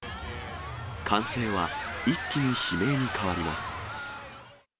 歓声は一気に悲鳴に変わります。